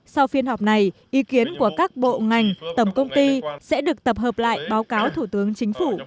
sau phiên họp này ý kiến của các bộ ngành tầm công ty sẽ được tập hợp lại báo cáo thủ tướng chính phủ